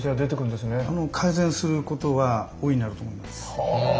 改善することは大いにあると思います。